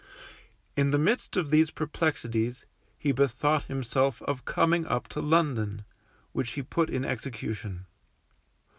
In the midst of these perplexities, he bethought himself of coming up to London, which he put in execution.